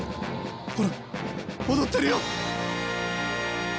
ほら踊ってるよ！